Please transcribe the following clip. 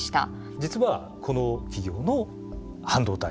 実はこの企業の半導体。